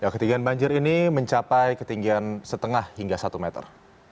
ketinggian banjir ini mencapai ketinggian setengah hingga satu meter